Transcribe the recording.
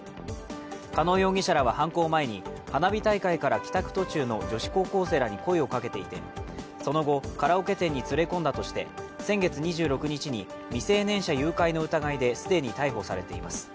加納容疑者らは犯行前に花火大会から帰宅途中の女子高校生らに声をかけていてその後、カラオケ店に連れ込んだとして先月２６日に未成年者誘拐の疑いで既に逮捕されています。